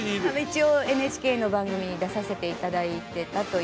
一応ＮＨＫの番組に出させていただいてたということで。